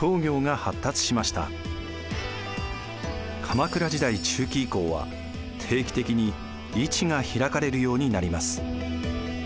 鎌倉時代中期以降は定期的に市が開かれるようになります。